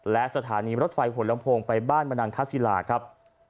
และสถานีรถไฟหัวลำโพงไปบ้านมนังคศิลาครับ